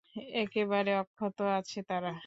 একেবারে অক্ষত আছে তারা।